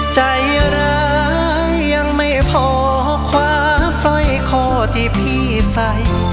ใจร้ายยังไม่พอคว้าสร้อยคอที่พี่ใส่